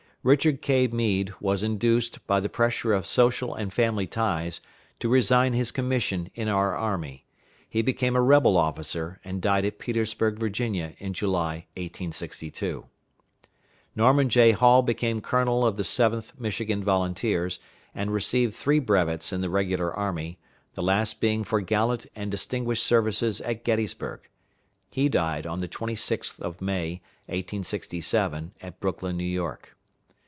Richard K. Meade was induced, by the pressure of social and family ties, to resign his commission in our army. He became a rebel officer, and died at Petersburg, Virginia, in July, 1862. Norman J. Hall became colonel of the Seventh Michigan Volunteers, and received three brevets in the regular army, the last being for gallant and distinguished services at Gettysburg. He died on the 26th of May, 1867, at Brooklyn, New York.